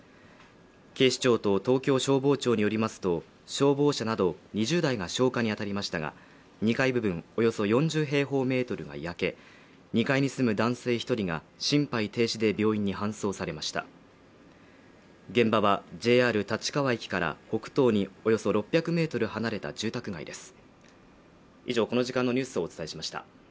警視庁と東京消防庁によりますと消防車など２０台が消火に当たりましたが２階部分およそ４０平方メートルが焼け２階に住む男性一人が心肺停止で病院に搬送されました現場はＪＲ立川駅から北東におよそ６００ｍ離れた住宅街です